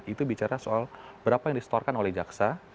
itu bicara soal berapa yang disetorkan oleh jaksa